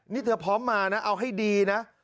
นี่เธอพร้อมมานะเอาให้ดีนะ